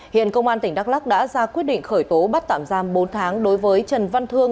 hiện công an tỉnh đắk lắc đã ra quyết định khởi tố bắt tạm giam bốn tháng đối với trần văn thương